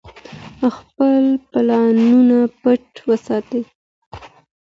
خپل پلانونه پټ وساتئ.